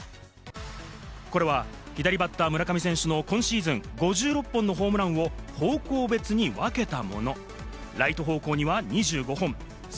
これは左バッターの村上選手の今シーズン５６本のホームランを方向別に分けたもの。